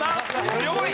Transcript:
強い！